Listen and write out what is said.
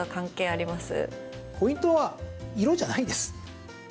ポイントは色じゃないんです。